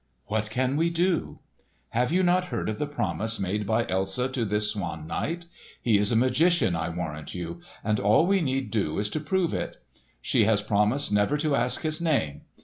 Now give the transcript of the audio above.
"What can we do?" "Have you not heard of the promise made by Elsa to this Swan Knight? He is a magician, I warrant you, and all we need do is to prove it. She has promised never to ask his name.